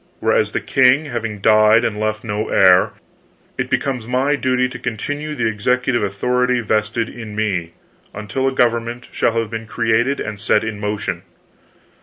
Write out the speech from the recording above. Whereas the king having died and left no heir, it becomes my duty to continue the executive authority vested in me, until a government shall have been created and set in motion.